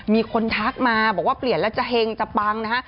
มีคนทักมาบอกว่าเปลี่ยนแล้วจะเฮงจะปังนะฮะ